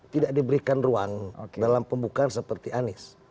tidak diberikan ruang dalam pembukaan seperti anies